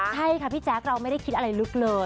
ใช่ค่ะพี่แจ๊คเราไม่ได้คิดอะไรลึกเลย